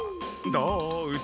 どう？